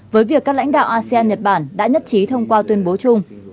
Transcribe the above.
với việc các lãnh đạo asean nhật bản đã nhất trí thông qua tuyên bố chung